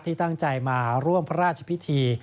ที่ตั้งใจมาร่วมพระราชพิธี